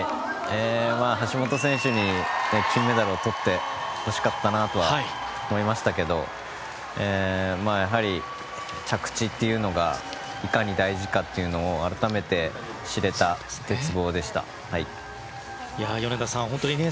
橋本選手に金メダルをとってほしかったなとは思いましたけどやはり、着地というのがいかに大事かというのを改めて知れた鉄棒でした。